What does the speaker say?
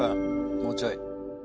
もうちょい。